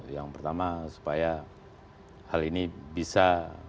yang pertama supaya hal ini bisa